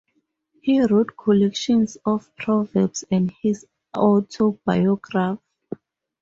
He wrote collections of proverbs and his autobiography.